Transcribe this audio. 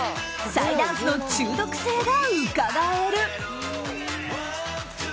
ＰＳＹダンスの中毒性がうかがえる。